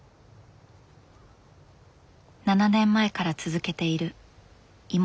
７年前から続けている芋煮会だ。